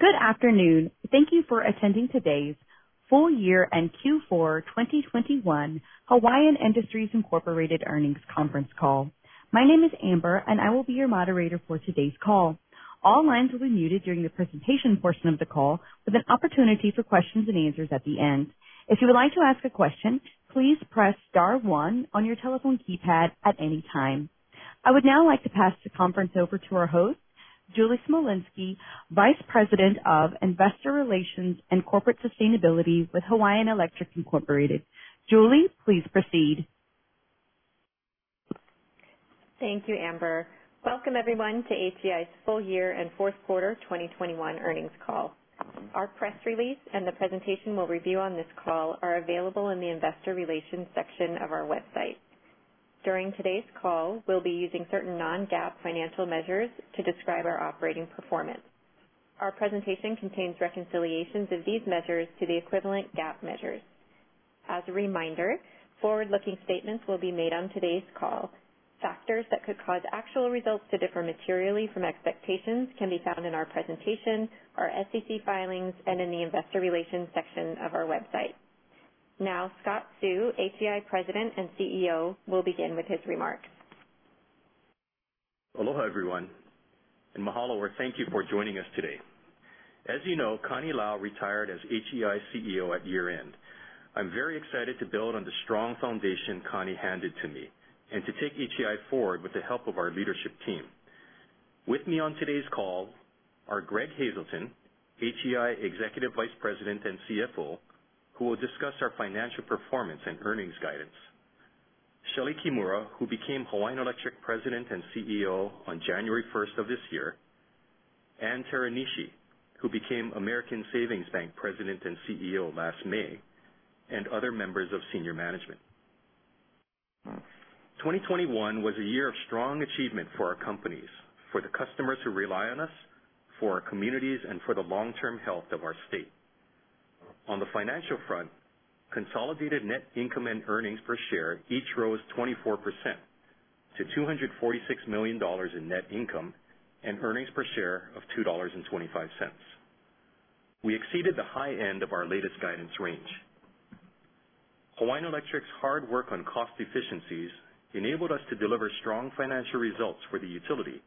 Good afternoon. Thank you for attending today's full year and Q4 2021 Hawaiian Electric Industries, Inc. earnings conference call. My name is Amber, and I will be your moderator for today's call. All lines will be muted during the presentation portion of the call, with an opportunity for questions and answers at the end. If you would like to ask a question, please press star one on your telephone keypad at any time. I would now like to pass the conference over to our host, Julie Smolinski, Vice President of Investor Relations and Corporate Sustainability with Hawaiian Electric Industries, Inc. Julie, please proceed. Thank you, Amber. Welcome, everyone, to HEI's full year and fourth quarter 2021 earnings call. Our press release and the presentation we'll review on this call are available in the investor relations section of our website. During today's call, we'll be using certain non-GAAP financial measures to describe our operating performance. Our presentation contains reconciliations of these measures to the equivalent GAAP measures. As a reminder, forward-looking statements will be made on today's call. Factors that could cause actual results to differ materially from expectations can be found in our presentation, our SEC filings, and in the investor relations section of our website. Now, Scott Seu, HEI President and CEO, will begin with his remarks. Aloha, everyone, and mahalo, or thank you for joining us today. As you know, Connie Lau retired as HEI CEO at year-end. I'm very excited to build on the strong foundation Connie handed to me and to take HEI forward with the help of our leadership team. With me on today's call are Greg Hazelton, HEI Executive Vice President and CFO, who will discuss our financial performance and earnings guidance. Shelee Kimura, who became Hawaiian Electric President and CEO on January 1st of this year. Ann Teranishi, who became American Savings Bank President and CEO last May, and other members of senior management. 2021 was a year of strong achievement for our companies, for the customers who rely on us, for our communities, and for the long-term health of our state. On the financial front, consolidated net income and earnings per share each rose 24% to $246 million in net income and earnings per share of $2.25. We exceeded the high end of our latest guidance range. Hawaiian Electric's hard work on cost efficiencies enabled us to deliver strong financial results for the utility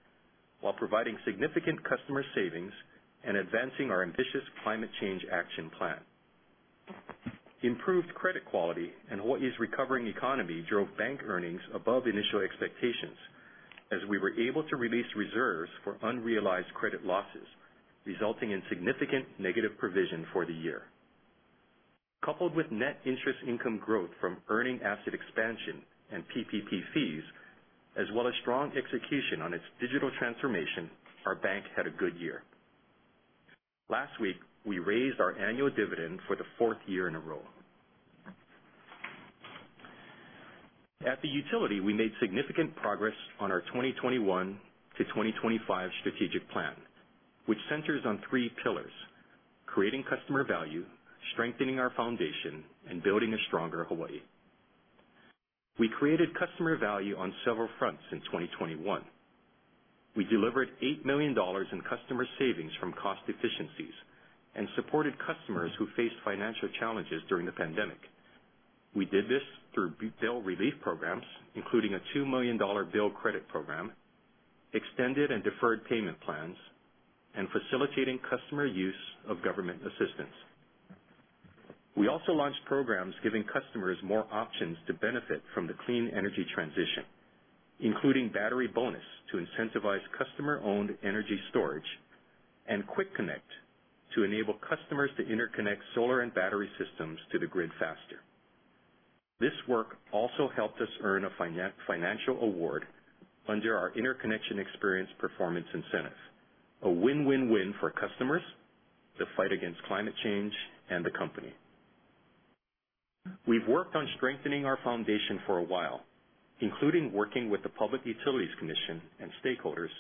while providing significant customer savings and advancing our ambitious climate change action plan. Improved credit quality and Hawaiʻis recovering economy drove bank earnings above initial expectations as we were able to release reserves for unrealized credit losses, resulting in significant negative provision for the year. Coupled with net interest income growth from earning asset expansion and PPP fees, as well as strong execution on its digital transformation, our bank had a good year. Last week, we raised our annual dividend for the fourth year in a row. At the utility, we made significant progress on our 2021 to 2025 strategic plan, which centers on three pillars, creating customer value, strengthening our foundation, and building a stronger Hawaiʻi. We created customer value on several fronts in 2021. We delivered $8 million in customer savings from cost efficiencies and supported customers who faced financial challenges during the pandemic. We did this through bill relief programs, including a $2 million bill credit program, extended and deferred payment plans, and facilitating customer use of government assistance. We also launched programs giving customers more options to benefit from the clean energy transition, including Battery Bonus to incentivize customer-owned energy storage and Quick Connect to enable customers to interconnect solar and battery systems to the grid faster. This work also helped us earn a financial award under our Interconnection Approval Performance Incentive, a win-win-win for customers, the fight against climate change, and the company. We've worked on strengthening our foundation for a while, including working with the Hawaiʻi Public Utilities Commission and stakeholders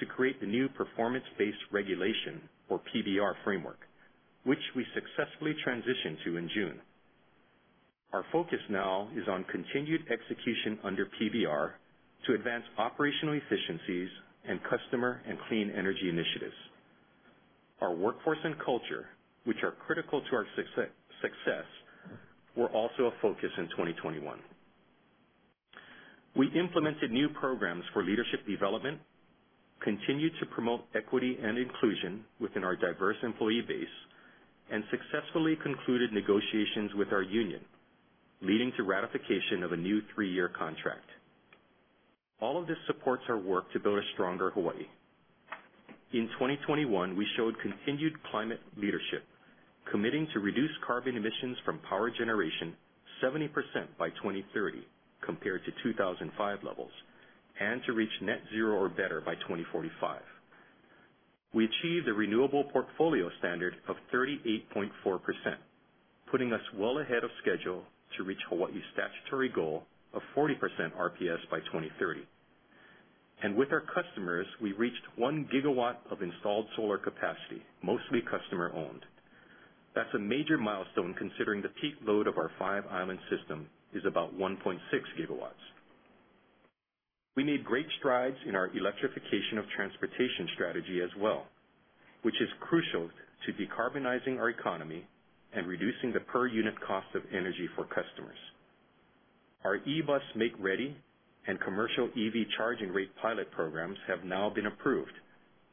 to create the new performance-based regulation or PBR framework, which we successfully transitioned to in June. Our focus now is on continued execution under PBR to advance operational efficiencies and customer and clean energy initiatives. Our workforce and culture, which are critical to our success, were also a focus in 2021. We implemented new programs for leadership development, continued to promote equity and inclusion within our diverse employee base, and successfully concluded negotiations with our union, leading to ratification of a new three-year contract. All of this supports our work to build a stronger Hawaiʻi. In 2021, we showed continued climate leadership, committing to reduce carbon emissions from power generation 70% by 2030, compared to 2005 levels, and to reach net zero or better by 2045. We achieved a renewable portfolio standard of 38.4%, putting us well ahead of schedule to reach Hawaiʻi's statutory goal of 40% RPS by 2030. With our customers, we reached one gigawatt of installed solar capacity, mostly customer-owned. That's a major milestone, considering the peak load of our five-island system is about 1.6 GW. We made great strides in our electrification of transportation strategy as well, which is crucial to decarbonizing our economy and reducing the per unit cost of energy for customers. Our eBus make-ready and commercial EV charging rate pilot programs have now been approved,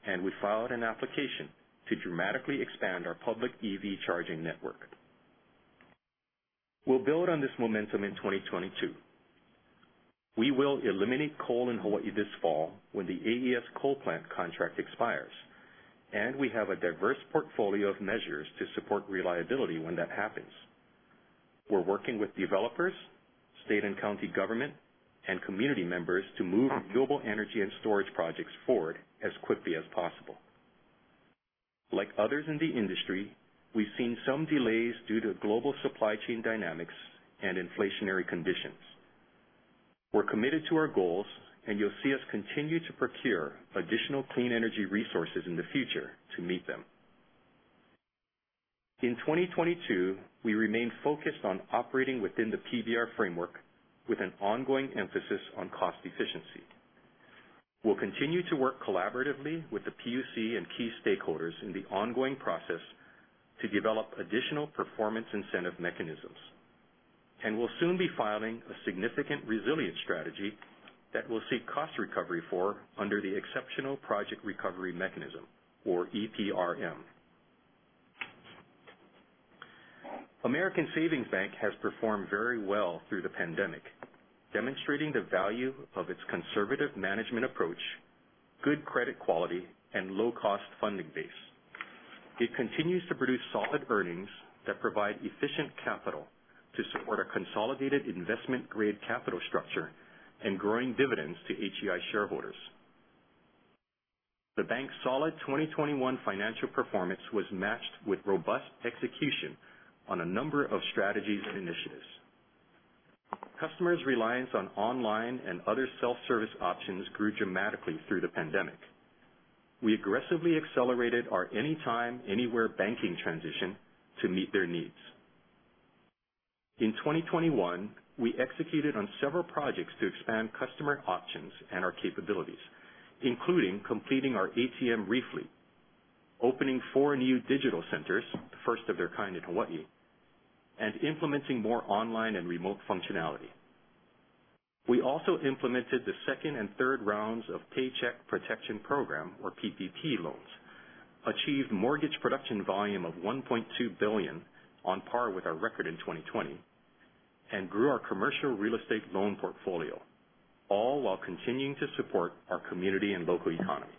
and we filed an application to dramatically expand our public EV charging network. We'll build on this momentum in 2022. We will eliminate coal in Hawaiʻi this fall when the AES coal plant contract expires, and we have a diverse portfolio of measures to support reliability when that happens. We're working with developers, state and county government, and community members to move renewable energy and storage projects forward as quickly as possible. Like others in the industry, we've seen some delays due to global supply chain dynamics and inflationary conditions. We're committed to our goals, and you'll see us continue to procure additional clean energy resources in the future to meet them. In 2022, we remain focused on operating within the PBR framework with an ongoing emphasis on cost efficiency. We'll continue to work collaboratively with the PUC and key stakeholders in the ongoing process to develop additional performance incentive mechanisms. We'll soon be filing a significant resilience strategy that we'll seek cost recovery for under the Exceptional Project Recovery Mechanism, or EPRM. American Savings Bank has performed very well through the pandemic, demonstrating the value of its conservative management approach, good credit quality, and low-cost funding base. It continues to produce solid earnings that provide efficient capital to support a consolidated investment-grade capital structure and growing dividends to HEI shareholders. The bank's solid 2021 financial performance was matched with robust execution on a number of strategies and initiatives. Customers' reliance on online and other self-service options grew dramatically through the pandemic. We aggressively accelerated our anytime, anywhere banking transition to meet their needs. In 2021, we executed on several projects to expand customer options and our capabilities, including completing our ATM refleet, opening four new digital centers, the first of their kind in Hawaiʻi, and implementing more online and remote functionality. We also implemented the second and third rounds of Paycheck Protection Program, or PPP, loans, achieved mortgage production volume of $1.2 billion on par with our record in 2020, and grew our commercial real estate loan portfolio, all while continuing to support our community and local economy.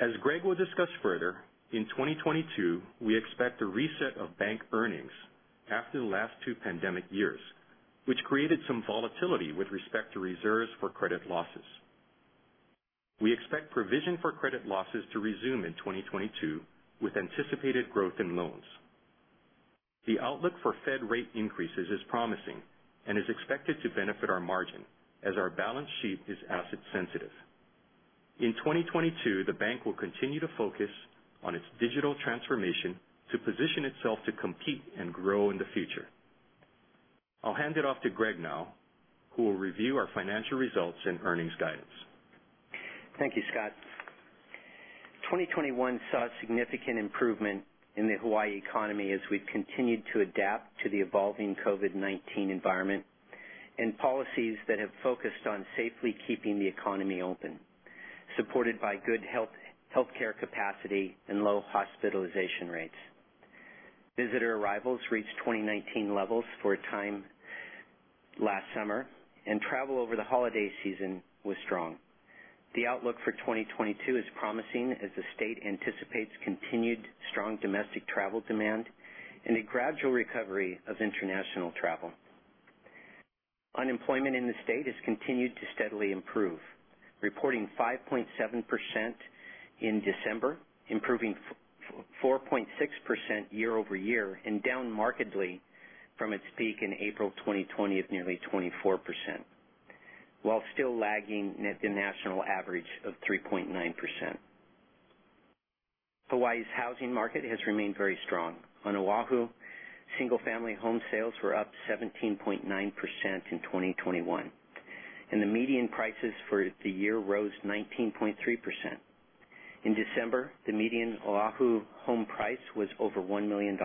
As Greg will discuss further, in 2022, we expect a reset of bank earnings after the last two pandemic years, which created some volatility with respect to reserves for credit losses. We expect provision for credit losses to resume in 2022 with anticipated growth in loans. The outlook for Fed rate increases is promising and is expected to benefit our margin as our balance sheet is asset sensitive. In 2022, the bank will continue to focus on its digital transformation to position itself to compete and grow in the future. I'll hand it off to Greg now, who will review our financial results and earnings guidance. Thank you, Scott. 2021 saw significant improvement in the Hawaiʻi economy as we continued to adapt to the evolving COVID-19 environment and policies that have focused on safely keeping the economy open, supported by good health, healthcare capacity, and low hospitalization rates. Visitor arrivals reached 2019 levels for a time last summer, and travel over the holiday season was strong. The outlook for 2022 is promising as the state anticipates continued strong domestic travel demand and a gradual recovery of international travel. Unemployment in the state has continued to steadily improve, reporting 5.7% in December, improving 4.6% year-over-year and down markedly from its peak in April 2020 of nearly 24%, while still lagging the national average of 3.9%. Hawaiʻi's housing market has remained very strong. On Oʻahu, single-family home sales were up 17.9% in 2021, and the median prices for the year rose 19.3%. In December, the median Oʻahu home price was over $1 million.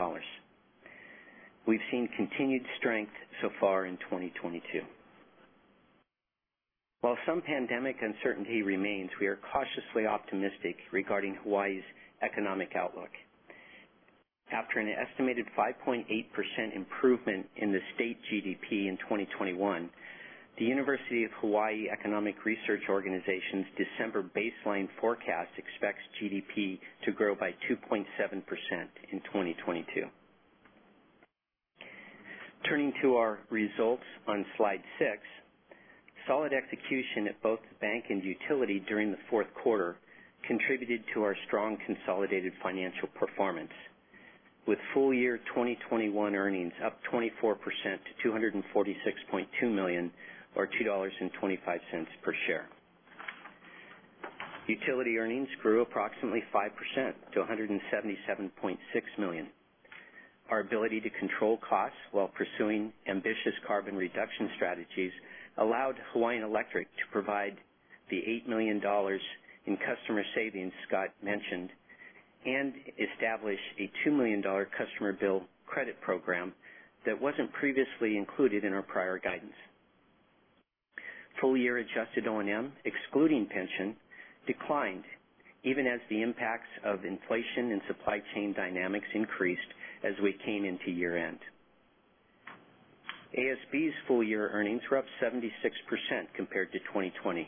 We've seen continued strength so far in 2022. While some pandemic uncertainty remains, we are cautiously optimistic regarding Hawaiʻi's economic outlook. After an estimated 5.8% improvement in the state GDP in 2021, the University of Hawaiʻi Economic Research Organization's December baseline forecast expects GDP to grow by 2.7% in 2022. Turning to our results on slide six, solid execution at both bank and utility during the fourth quarter contributed to our strong consolidated financial performance, with full year 2021 earnings up 24% to $246.2 million or $2.25 per share. Utility earnings grew approximately 5% to $177.6 million. Our ability to control costs while pursuing ambitious carbon reduction strategies allowed Hawaiian Electric to provide the $8 million in customer savings Scott mentioned, and establish a $2 million customer bill credit program that wasn't previously included in our prior guidance. Full year adjusted O&M, excluding pension, declined even as the impacts of inflation and supply chain dynamics increased as we came into year-end. ASB's full year earnings were up 76% compared to 2020,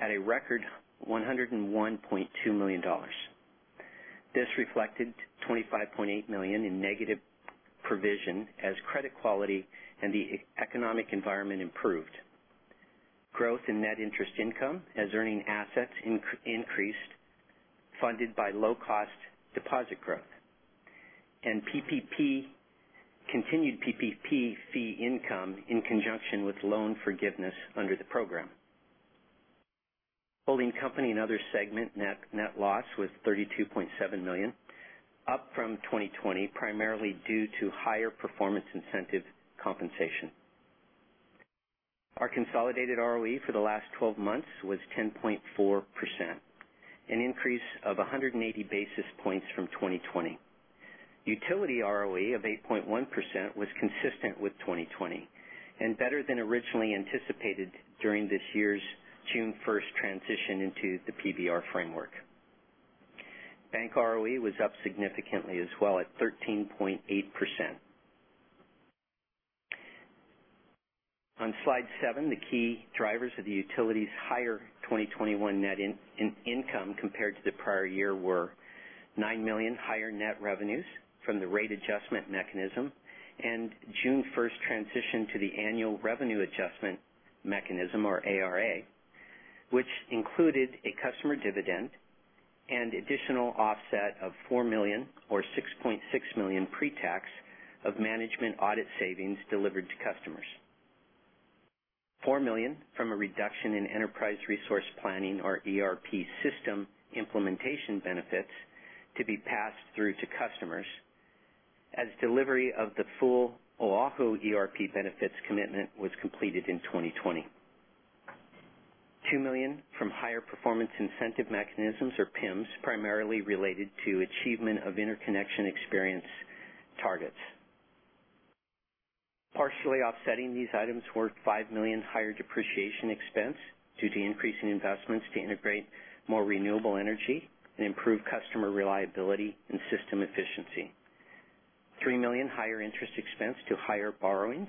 at a record $101.2 million. This reflected $25.8 million in negative provision as credit quality and the economic environment improved. Growth in net interest income as earning assets increased, funded by low-cost deposit growth. PPP continued PPP fee income in conjunction with loan forgiveness under the program. Holding company and other segment net loss was $32.7 million, up from 2020, primarily due to higher performance incentive compensation. Our consolidated ROE for the last 12 months was 10.4%, an increase of 180 basis points from 2020. Utility ROE of 8.1% was consistent with 2020, and better than originally anticipated during this year's June 1st transition into the PBR framework. Bank ROE was up significantly as well at 13.8%. On slide seven, the key drivers of the utility's higher 2021 net income compared to the prior year were $9 million higher net revenues from the rate adjustment mechanism. June 1st transition to the annual revenue adjustment mechanism, or ARA, which included a customer dividend and additional offset of $4 million or $6.6 million pre-tax of management audit savings delivered to customers. $4 million from a reduction in enterprise resource planning or ERP system implementation benefits to be passed through to customers as delivery of the full Oʻahu ERP benefits commitment was completed in 2020. $2 million from higher performance incentive mechanisms or PIMs, primarily related to achievement of interconnection experience targets. Partially offsetting these items were $5 million higher depreciation expense due to increasing investments to integrate more renewable energy and improve customer reliability and system efficiency. $3 million higher interest expense due to higher borrowings,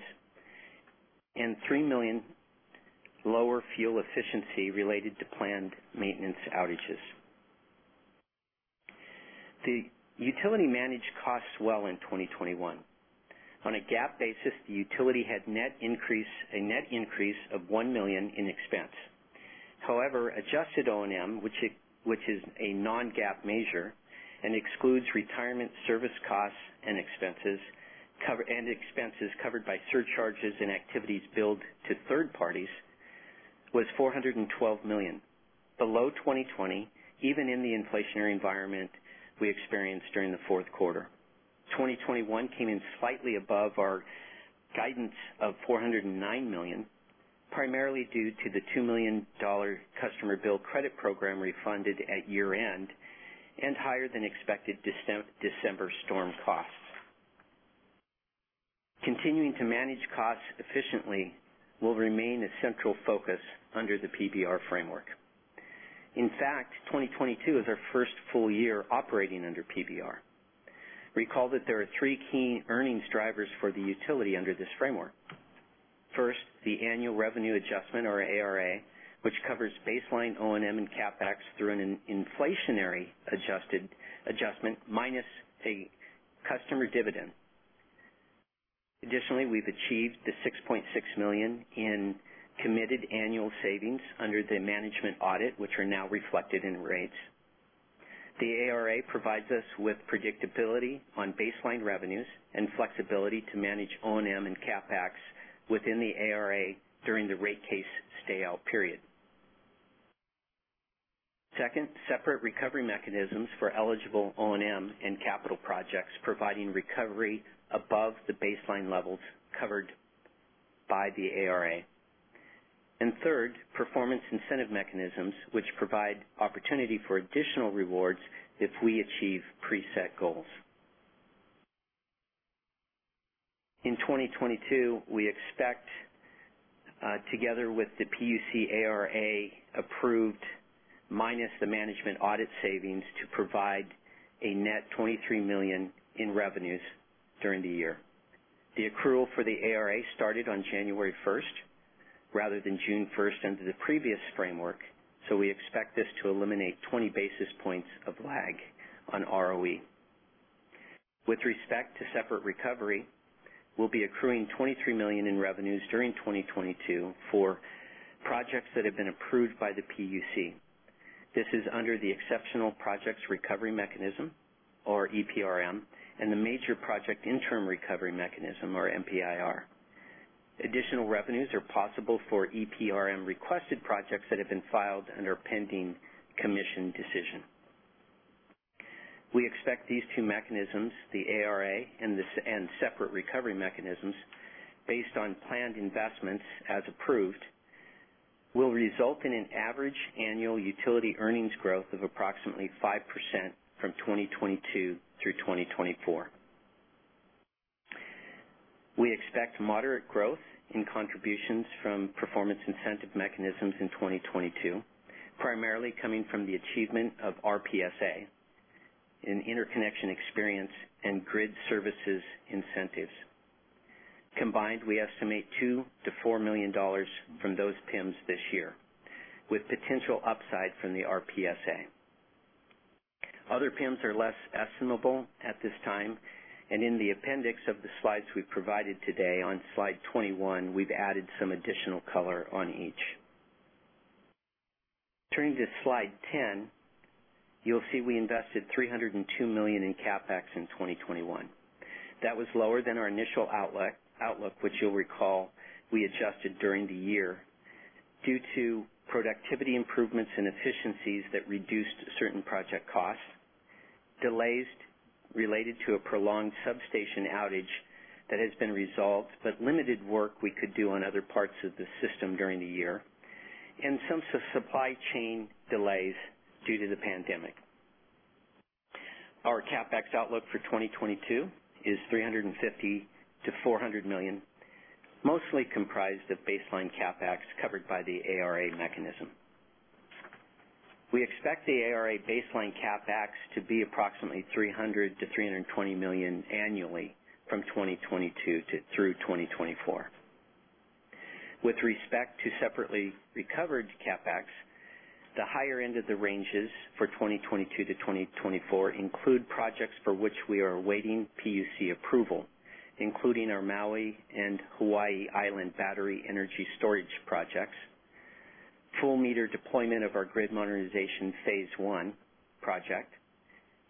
and $3 million lower fuel efficiency related to planned maintenance outages. The utility managed costs well in 2021. On a GAAP basis, the utility had a net increase of $1 million in expense. However, adjusted O&M, which is a non-GAAP measure and excludes retirement service costs and expenses covered by surcharges and activities billed to third parties, was $412 million below 2020, even in the inflationary environment we experienced during the fourth quarter. 2021 came in slightly above our guidance of $409 million, primarily due to the $2 million customer bill credit program refunded at year-end and higher than expected December storm costs. Continuing to manage costs efficiently will remain a central focus under the PBR framework. In fact, 2022 is our first full year operating under PBR. Recall that there are three key earnings drivers for the utility under this framework. First, the annual revenue adjustment, or ARA, which covers baseline O&M and CapEx through an inflation-adjusted adjustment minus a customer dividend. Additionally, we've achieved the $6.6 million in committed annual savings under the management audit, which are now reflected in rates. The ARA provides us with predictability on baseline revenues and flexibility to manage O&M and CapEx within the ARA during the rate case stay-out period. Second, separate recovery mechanisms for eligible O&M and capital projects providing recovery above the baseline levels covered by the ARA. Third, performance incentive mechanisms, which provide opportunity for additional rewards if we achieve preset goals. In 2022, we expect together with the PUC ARA approved minus the management audit savings, to provide a net $23 million in revenues during the year. The accrual for the ARA started on January 1st rather than June 1st under the previous framework, so we expect this to eliminate 20 basis points of lag on ROE. With respect to separate recovery, we'll be accruing $23 million in revenues during 2022 for projects that have been approved by the PUC. This is under the Exceptional Project Recovery Mechanism, or EPRM, and the Major Project Interim Recovery mechanism or MPIR. Additional revenues are possible for EPRM-requested projects that have been filed under pending commission decision. We expect these two mechanisms, the ARA and separate recovery mechanisms, based on planned investments as approved, will result in an average annual utility earnings growth of approximately 5% from 2022 through 2024. We expect moderate growth in contributions from performance incentive mechanisms in 2022, primarily coming from the achievement of RPS-A in interconnection experience and grid services incentives. Combined, we estimate $2 million-$4 million from those PIMs this year, with potential upside from the RPS-A. Other PIMs are less estimable at this time, and in the appendix of the slides we've provided today on slide 21, we've added some additional color on each. Turning to slide 10, you'll see we invested $302 million in CapEx in 2021. That was lower than our initial outlook, which you'll recall we adjusted during the year due to productivity improvements and efficiencies that reduced certain project costs, delays related to a prolonged substation outage that has been resolved, but limited work we could do on other parts of the system during the year, and some supply chain delays due to the pandemic. Our CapEx outlook for 2022 is $350 million-$400 million, mostly comprised of baseline CapEx covered by the ARA mechanism. We expect the ARA baseline CapEx to be approximately $300 million-$320 million annually from 2022 through 2024. With respect to separately recovered CapEx, the higher end of the ranges for 2022-2024 include projects for which we are awaiting PUC approval, including our Maui and Hawaiʻi Island battery energy storage projects, full meter deployment of our grid modernization phase one project,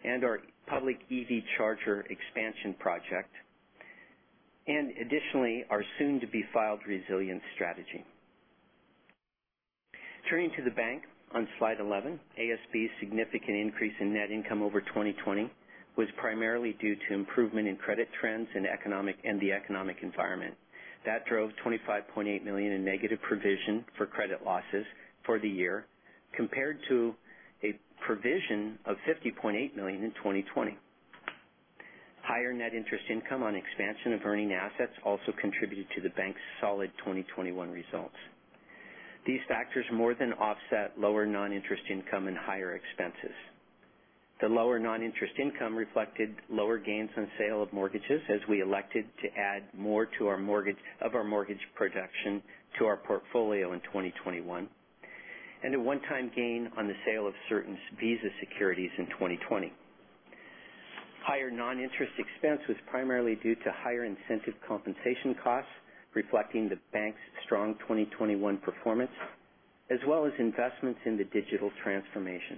and our public EV charger expansion project, and additionally, our soon-to-be-filed resilience strategy. Turning to the bank on slide 11, ASB's significant increase in net income over 2020 was primarily due to improvement in credit trends and the economic environment. That drove $25.8 million in negative provision for credit losses for the year compared to a provision of $50.8 million in 2020. Higher net interest income on expansion of earning assets also contributed to the bank's solid 2021 results. These factors more than offset lower non-interest income and higher expenses. The lower non-interest income reflected lower gains on sale of mortgages as we elected to add more of our mortgage production to our portfolio in 2021, and a one-time gain on the sale of certain Visa securities in 2020. Higher non-interest expense was primarily due to higher incentive compensation costs reflecting the bank's strong 2021 performance, as well as investments in the digital transformation.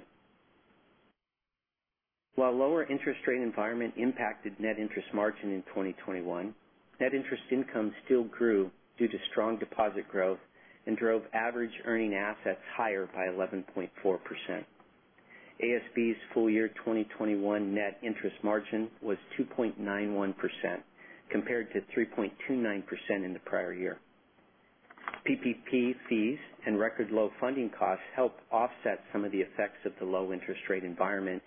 While lower interest rate environment impacted net interest margin in 2021, net interest income still grew due to strong deposit growth and drove average earning assets higher by 11.4%. ASB's full year 2021 net interest margin was 2.91% compared to 3.29% in the prior year. PPP fees and record low funding costs helped offset some of the effects of the low interest rate environment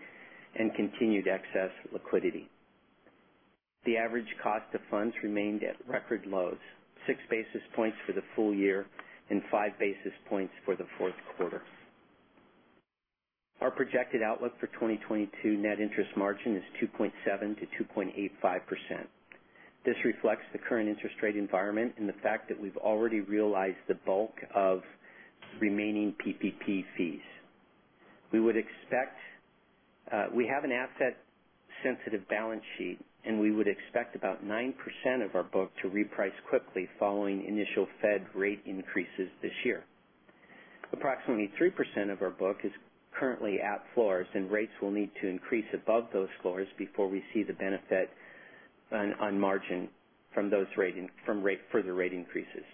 and continued excess liquidity. The average cost of funds remained at record lows, six basis points for the full year and five basis points for the fourth quarter. Our projected outlook for 2022 net interest margin is 2.7%-2.85%. This reflects the current interest rate environment and the fact that we've already realized the bulk of remaining PPP fees. We would expect we have an asset-sensitive balance sheet, and we would expect about 9% of our book to reprice quickly following initial Fed rate increases this year. Approximately 3% of our book is currently at floors, and rates will need to increase above those floors before we see the benefit on margin from further rate increases.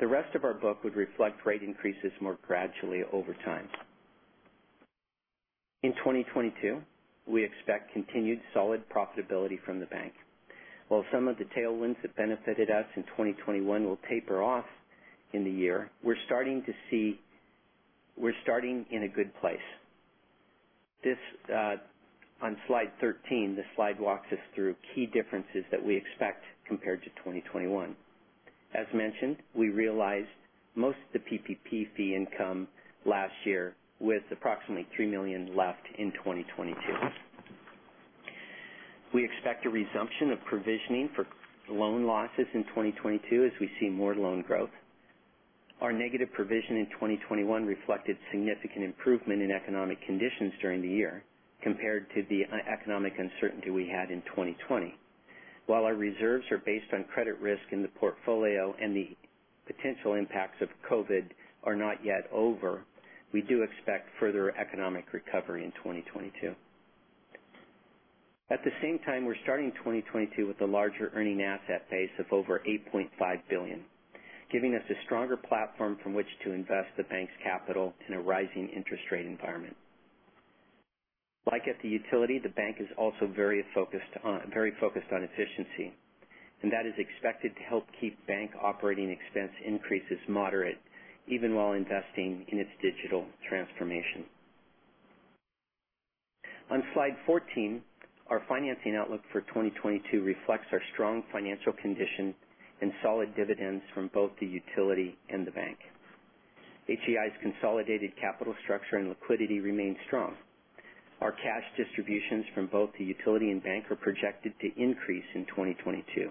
The rest of our book would reflect rate increases more gradually over time. In 2022, we expect continued solid profitability from the bank. While some of the tailwinds that benefited us in 2021 will taper off in the year, we're starting in a good place. This, on slide 13, this slide walks us through key differences that we expect compared to 2021. As mentioned, we realized most of the PPP fee income last year with approximately $3 million left in 2022. We expect a resumption of provisioning for loan losses in 2022 as we see more loan growth. Our negative provision in 2021 reflected significant improvement in economic conditions during the year compared to the economic uncertainty we had in 2020. While our reserves are based on credit risk in the portfolio and the potential impacts of COVID are not yet over, we do expect further economic recovery in 2022. At the same time, we're starting 2022 with a larger earning asset base of over $8.5 billion, giving us a stronger platform from which to invest the bank's capital in a rising interest rate environment. Like at the utility, the bank is also very focused on efficiency, and that is expected to help keep bank operating expense increases moderate even while investing in its digital transformation. On slide 14, our financing outlook for 2022 reflects our strong financial condition and solid dividends from both the utility and the bank. HEI's consolidated capital structure and liquidity remain strong. Our cash distributions from both the utility and bank are projected to increase in 2022.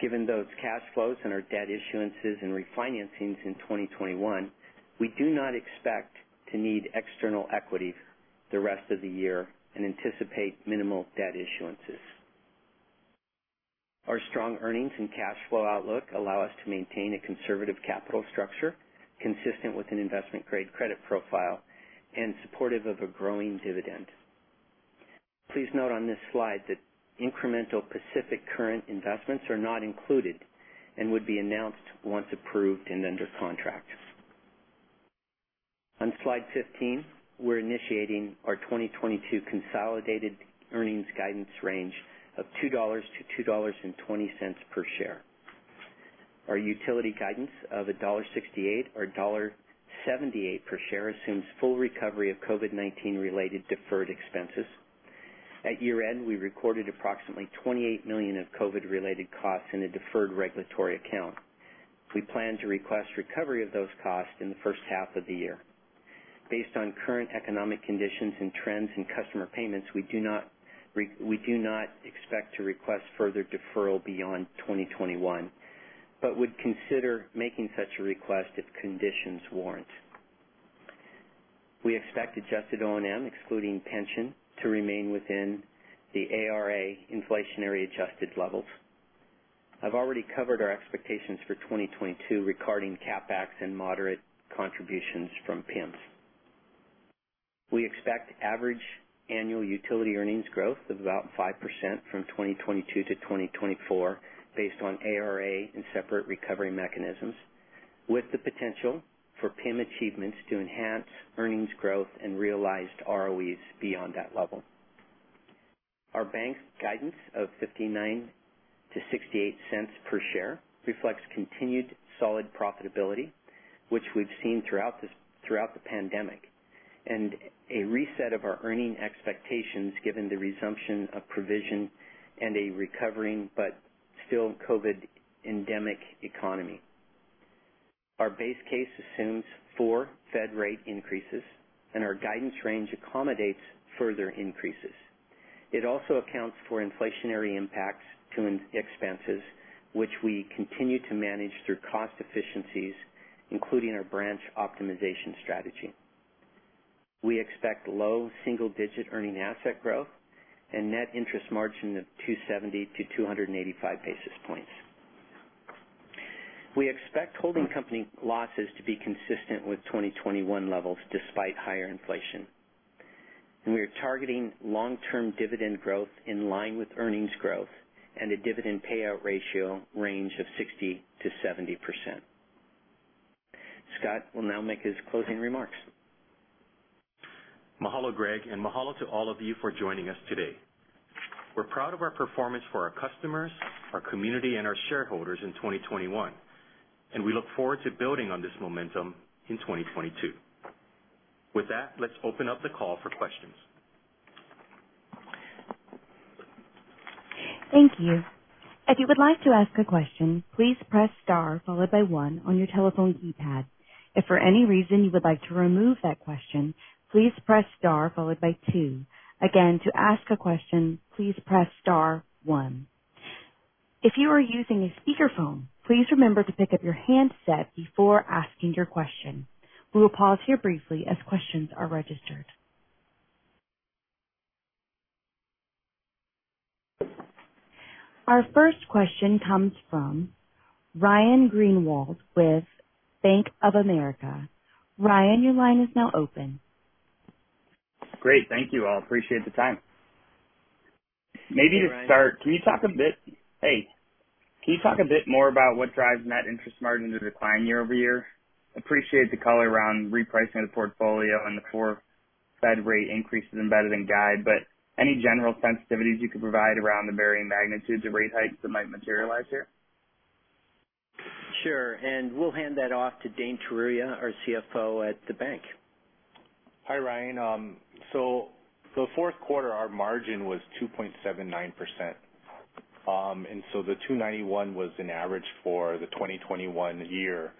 Given those cash flows and our debt issuances and refinancings in 2021, we do not expect to need external equity the rest of the year and anticipate minimal debt issuances. Our strong earnings and cash flow outlook allow us to maintain a conservative capital structure consistent with an investment-grade credit profile and supportive of a growing dividend. Please note on this slide that incremental Pacific Current investments are not included and would be announced once approved and under contract. On slide 15, we're initiating our 2022 consolidated earnings guidance range of $2.00-$2.20 per share. Our utility guidance of $1.68 or $1.78 per share assumes full recovery of COVID-19 related deferred expenses. At year-end, we recorded approximately $28 million of COVID-related costs in a deferred regulatory account. We plan to request recovery of those costs in the first half of the year. Based on current economic conditions and trends in customer payments, we do not expect to request further deferral beyond 2021, but would consider making such a request if conditions warrant. We expect adjusted O&M, excluding pension, to remain within the ARA inflationary adjusted levels. I've already covered our expectations for 2022 regarding CapEx and moderate contributions from PIMs. We expect average annual utility earnings growth of about 5% from 2022 to 2024 based on ARA and separate recovery mechanisms, with the potential for PIM achievements to enhance earnings growth and realized ROEs beyond that level. Our bank's guidance of $0.59-$0.68 per share reflects continued solid profitability, which we've seen throughout the pandemic, and a reset of our earning expectations given the resumption of provision and a recovering but still COVID-endemic economy. Our base case assumes four Fed rate increases, and our guidance range accommodates further increases. It also accounts for inflationary impacts to expenses, which we continue to manage through cost efficiencies, including our branch optimization strategy. We expect low single-digit earning asset growth and net interest margin of 270-285 basis points. We expect holding company losses to be consistent with 2021 levels despite higher inflation. We are targeting long-term dividend growth in line with earnings growth and a dividend payout ratio range of 60%-70%. Scott will now make his closing remarks. Mahalo, Greg, and mahalo to all of you for joining us today. We're proud of our performance for our customers, our community, and our shareholders in 2021, and we look forward to building on this momentum in 2022. With that, let's open up the call for questions. Thank you. If you would like to ask a question, please press star followed by one on your telephone keypad. If for any reason you would like to remove that question, please press star followed by two. Again, to ask a question, please press star one. If you are using a speakerphone, please remember to pick up your handset before asking your question. We will pause here briefly as questions are registered. Our first question comes from Ryan Greenwald with Bank of America. Ryan, your line is now open. Great. Thank you all. I appreciate the time. Maybe to start, can you talk a bit more about what drives net interest margin to decline year-over-year? I appreciate the color around repricing the portfolio and the four Fed rate increases embedded in guide, but any general sensitivities you could provide around the varying magnitudes of rate hikes that might materialize here? Sure. We'll hand that off to Dane Teruya, our CFO at the bank. Hi, Ryan. Fourth quarter, our margin was 2.79%. The 2.91 was an average for the 2021 year.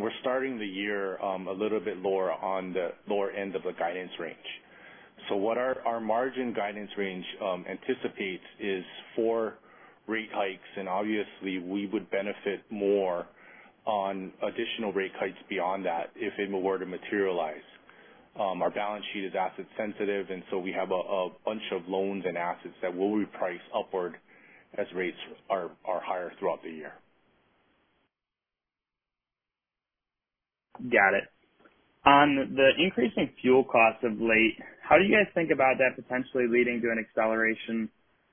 We're starting the year a little bit lower on the lower end of the guidance range. What our margin guidance range anticipates is four rate hikes, and obviously, we would benefit more on additional rate hikes beyond that if they were to materialize. Our balance sheet is asset sensitive, and we have a bunch of loans and assets that will reprice upward as rates are higher throughout the year. Got it. On the increase in fuel costs of late, how do you guys think about that potentially leading to an acceleration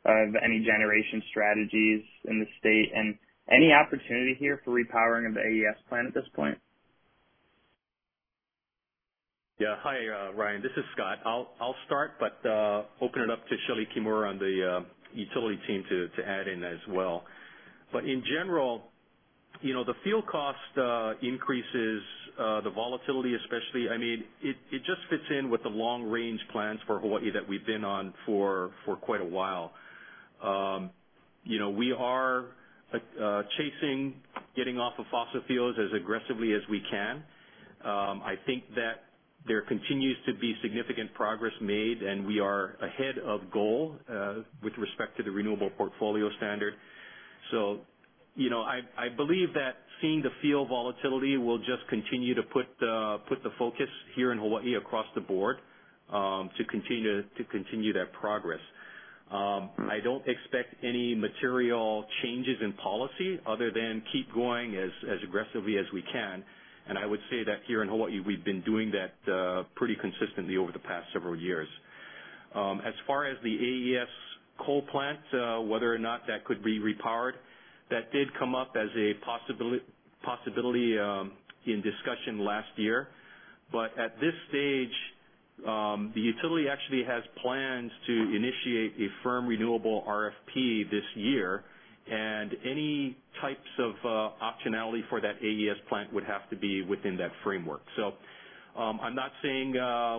of any generation strategies in the state and any opportunity here for repowering of the AES plant at this point? Yeah. Hi, Ryan. This is Scott. I'll start, but open it up to Shelee Kimura on the utility team to add in as well. In general, you know, the fuel cost increases, the volatility especially. I mean, it just fits in with the long range plans for Hawaiʻi that we've been on for quite a while. You know, we are chasing getting off of fossil fuels as aggressively as we can. I think that there continues to be significant progress made, and we are ahead of goal with respect to the Renewable Portfolio Standard. You know, I believe that seeing the fuel volatility will just continue to put the focus here in Hawaiʻi across the board to continue that progress. I don't expect any material changes in policy other than keep going as aggressively as we can. I would say that here in Hawaiʻi, we've been doing that pretty consistently over the past several years. As far as the AES coal plant, whether or not that could be repowered, that did come up as a possibility in discussion last year. At this stage, the utility actually has plans to initiate a firm renewable RFP this year, and any types of optionality for that AES plant would have to be within that framework. I'm not saying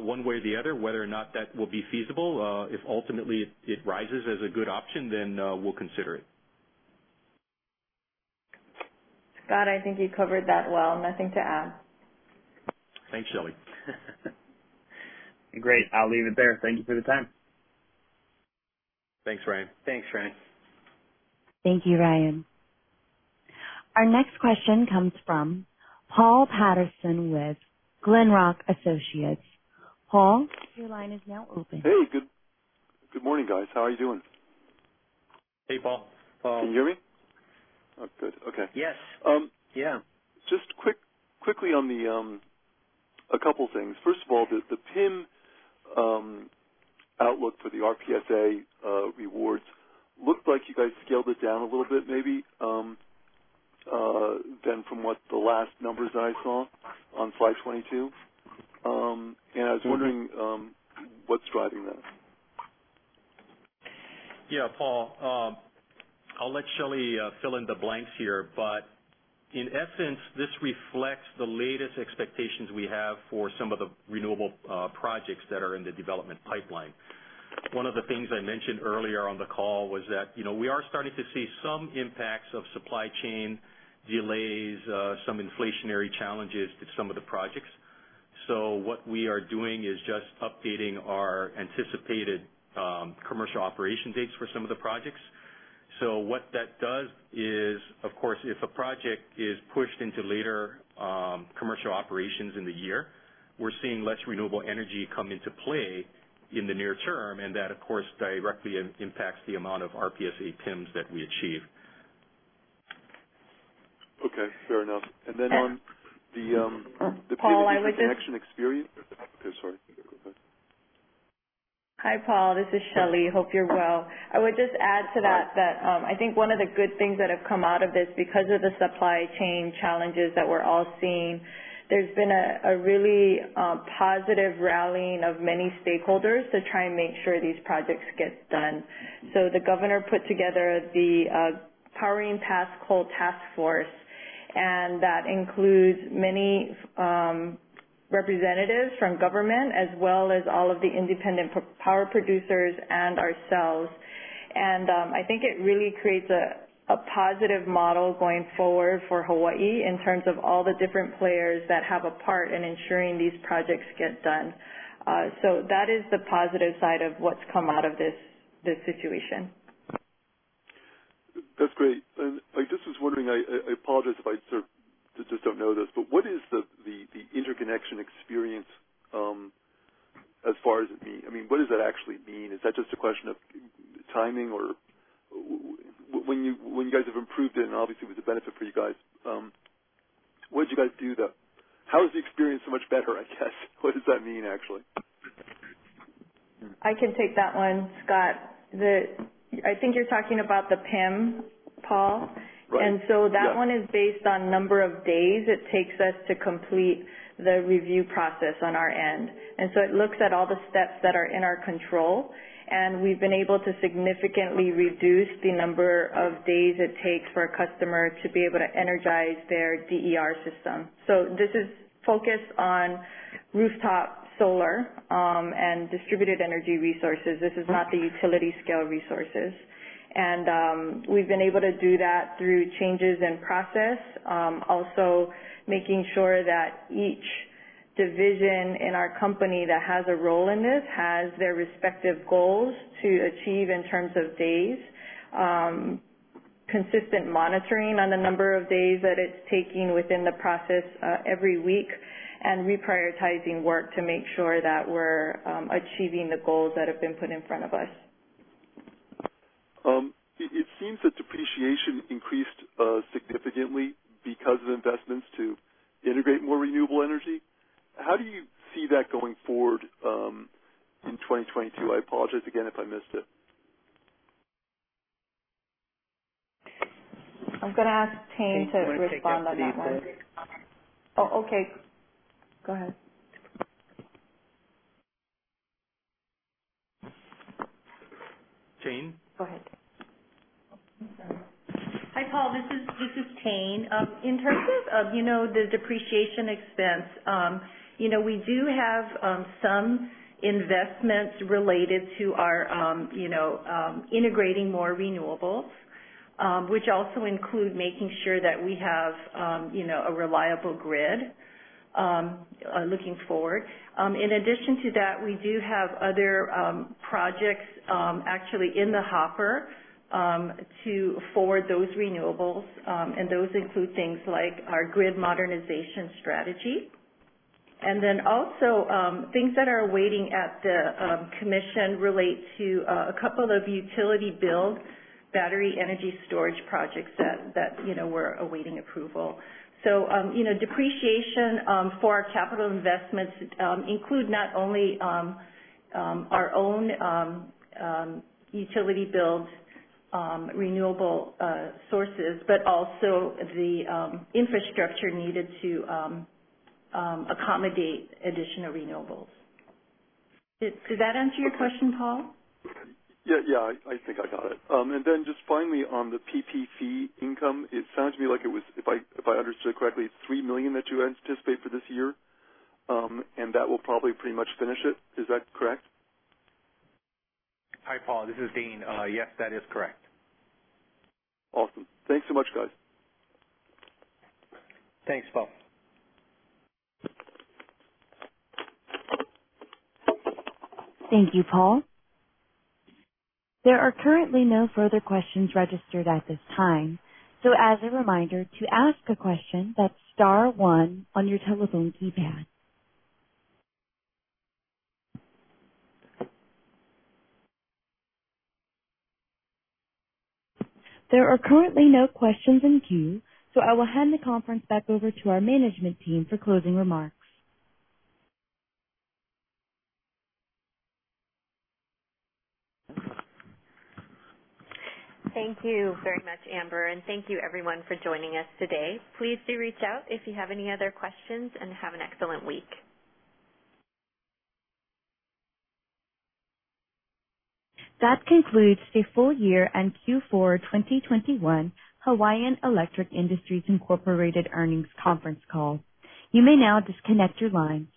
one way or the other whether or not that will be feasible. If ultimately it rises as a good option, then we'll consider it. Scott, I think you covered that well. Nothing to add. Thanks, Shelee. Great. I'll leave it there. Thank you for the time. Thanks, Ryan. Thanks, Ryan. Thank you, Ryan. Our next question comes from Paul Patterson with Glenrock Associates. Paul, your line is now open. Hey, good morning, guys. How are you doing? Hey, Paul. Can you hear me? Oh, good. Okay. Yes. Um. Yeah. Quickly on a couple things. First of all, the PIM outlook for the RPS-A rewards looked like you guys scaled it down a little bit, maybe than from what the last numbers I saw on slide 22. I was wondering what's driving that? Yeah, Paul, I'll let Shelee fill in the blanks here, but in essence, this reflects the latest expectations we have for some of the renewable projects that are in the development pipeline. One of the things I mentioned earlier on the call was that, you know, we are starting to see some impacts of supply chain delays, some inflationary challenges to some of the projects. What we are doing is just updating our anticipated commercial operation dates for some of the projects. What that does is, of course, if a project is pushed into later commercial operations in the year, we're seeing less renewable energy come into play in the near term, and that, of course, directly impacts the amount of RPS-A PIMs that we achieve. Okay, fair enough. On the Paul, I would just. Okay, sorry. Go ahead. Hi, Paul. This is Shelee. Hope you're well. I would just add to that I think one of the good things that have come out of this, because of the supply chain challenges that we're all seeing, there's been a really positive rallying of many stakeholders to try and make sure these projects get done. The governor put together the Powering Past Coal Task Force, and that includes many representatives from government as well as all of the independent power producers and ourselves. I think it really creates a positive model going forward for Hawaiʻi in terms of all the different players that have a part in ensuring these projects get done. That is the positive side of what's come out of this situation. That's great. I just was wondering, I apologize if I sort of just don't know this, but what is the interconnection experience as far as it being? I mean, what does that actually mean? Is that just a question of timing or when you guys have improved it, and obviously with the benefit for you guys, what'd you guys do, though? How is the experience so much better, I guess? What does that mean, actually? I can take that one, Scott. I think you're talking about the PIM, Paul. Right. Yeah. That one is based on number of days it takes us to complete the review process on our end. It looks at all the steps that are in our control, and we've been able to significantly reduce the number of days it takes for a customer to be able to energize their DER system. This is focused on rooftop solar and distributed energy resources. This is not the utility scale resources. We've been able to do that through changes in process. Also making sure that each division in our company that has a role in this has their respective goals to achieve in terms of days. Consistent monitoring on the number of days that it's taking within the process, every week, and reprioritizing work to make sure that we're achieving the goals that have been put in front of us. It seems that depreciation increased significantly because of investments to integrate more renewable energy. How do you see that going forward in 2022? I apologize again if I missed it. I'm gonna ask Tayne to respond on that one. Oh, okay. Go ahead. Tayne? Go ahead. I'm sorry. Hi, Paul. This is Tayne. In terms of you know, the depreciation expense, you know, we do have some investments related to our integrating more renewables, which also include making sure that we have a reliable grid looking forward. In addition to that, we do have other projects actually in the hopper to forward those renewables. Those include things like our grid modernization strategy. Then also, things that are waiting at the commission relate to a couple of utility build battery energy storage projects that we're awaiting approval. You know, depreciation for our capital investments include not only our own utility build renewable sources, but also the infrastructure needed to accommodate additional renewables. Did that answer your question, Paul? Yeah. Yeah. I think I got it. Just finally on the PPP income, it sounds to me like it was, if I understood correctly, it's $3 million that you anticipate for this year, and that will probably pretty much finish it. Is that correct? Hi, Paul, this is Dane. Yes, that is correct. Awesome. Thanks so much, guys. Thanks, Paul. Thank you, Paul. There are currently no further questions registered at this time. As a reminder, to ask a question, that's star one on your telephone keypad. There are currently no questions in queue, so I will hand the conference back over to our management team for closing remarks. Thank you very much, Amber, and thank you everyone for joining us today. Please do reach out if you have any other questions, and have an excellent week. That concludes the full year and Q4 2021 Hawaiian Electric Industries Incorporated earnings conference call. You may now disconnect your lines.